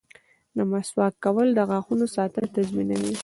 • د مسواک کول د غاښونو ساتنه تضمینوي.